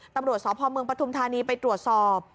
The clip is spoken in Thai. ตำรวจสมพมพทุมธานีไปตรวจสอบ